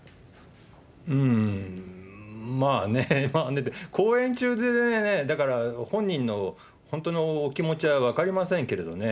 うーん、まあね、公演中で、だから本人の本当のお気持ちは分かりませんけどね、